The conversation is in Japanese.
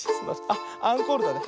あっアンコールだね。